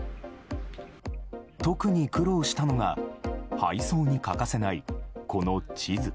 特に苦労したのが配送に欠かせない、この地図。